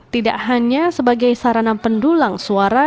tidak hanya sebagai sarana pendulang suara